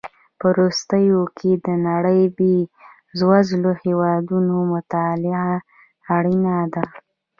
په وروستیو کې د نړۍ د بېوزلو هېوادونو مطالعه اړینه ده.